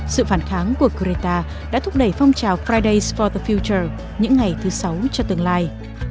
sự phản kháng của grinta đã thúc đẩy phong trào fridays for the future những ngày thứ sáu cho tương lai